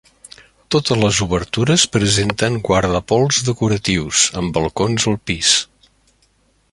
Totes les obertures presenten guardapols decoratius, amb balcons al pis.